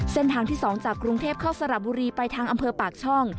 เส้นทางที่๒จากกรุงเทพเข้าสระบุรีไปทางอำเภอปากช่อง